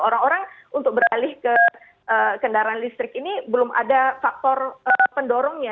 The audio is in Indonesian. orang orang untuk beralih ke kendaraan listrik ini belum ada faktor pendorongnya